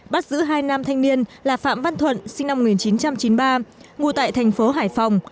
bắt giữ hai nam thanh niên là phạm văn thuận sinh năm một nghìn chín trăm chín mươi ba ngụ tại thành phố hải phòng